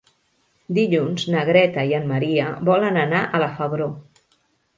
Dilluns na Greta i en Maria volen anar a la Febró.